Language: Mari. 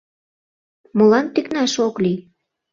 Молан тӱкнаш ок лий?